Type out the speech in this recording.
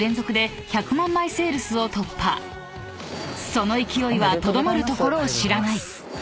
［その勢いはとどまるところを知らない］